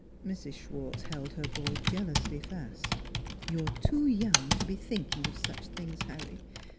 Mrs. Schwartz held her boy jealously fast. 4 You're too young to be thinking of such things, Harry.